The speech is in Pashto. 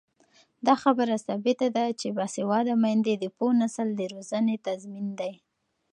دا خبره ثابته ده چې باسواده میندې د پوه نسل د روزنې تضمین دي.